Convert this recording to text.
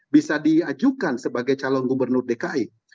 bisa diajukan sebagai calon gubernur dki